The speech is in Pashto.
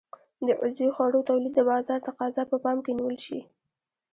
د عضوي خوړو تولید د بازار تقاضا په پام کې نیول شي.